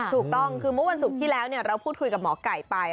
ถูกต้องคือเมื่อวันศุกร์ที่แล้วเราพูดคุยกับหมอไก่ไป